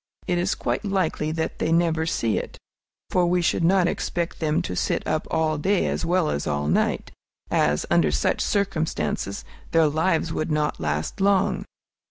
It is quite likely that they never see it; for we should not expect them to sit up all day as well as all night, as, under such circumstances, their lives would not last long.